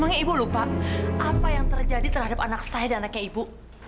makanya ibu lupa apa yang terjadi terhadap anak saya dan anaknya ibu